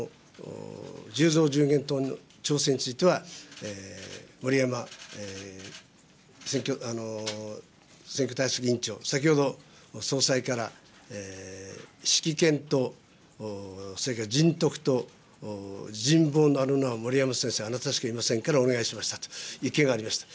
１０増１０減等の調整については、森山選挙対策委員長、先ほど総裁から、識見と、それから人徳と、人望のあるのは森山先生、あなたしかいませんからお願いしましたと意見がありました。